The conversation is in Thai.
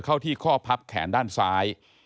เข้าที่ข้อพับแขนด้านซ้าย